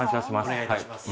お願いいたします。